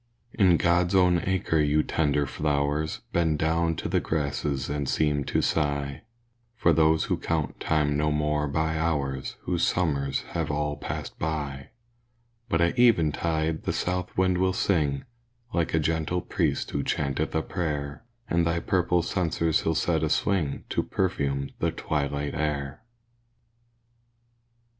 In God's own acre your tender flowers, Bend down to the grasses and seem to sigh For those who count time no more by hours Whose summers have all passed by But at eventide the south wind will sing, Like a gentle priest who chanteth a prayer; And thy purple censers he'll set a swing, To perfume the twilight air.